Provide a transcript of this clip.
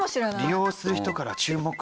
利用する人から注目されない。